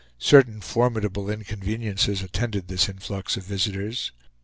Certain formidable inconveniences attended this influx of visitors.